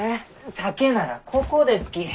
酒ならここですき。